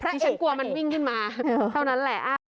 เพราะฉันกลัวมันวิ่งขึ้นมาเท่านั้นแหละ